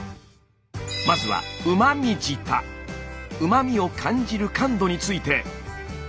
まずはうま味を感じる感度について。